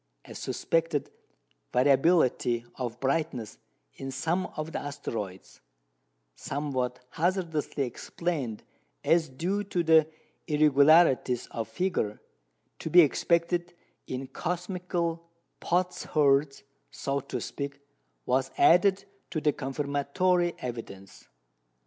A suspected variability of brightness in some of the asteroids, somewhat hazardously explained as due to the irregularities of figure to be expected in cosmical potsherds (so to speak), was added to the confirmatory evidence.